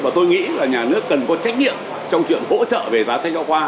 và tôi nghĩ là nhà nước cần có trách nhiệm trong chuyện hỗ trợ về giá sách giáo khoa